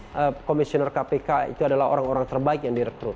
karena komisioner kpk itu adalah orang orang terbaik yang direkrut